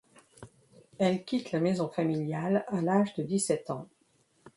Elle quitte la maison familiale à l'âge de dix-sept ans.